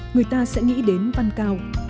người ta sẽ nghĩ đến văn cao